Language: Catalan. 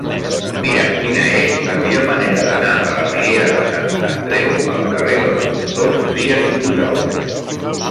Mira'm quina és la millor manera d'anar de la riera de Sant Andreu al carrer dels Doctors Trias i Pujol.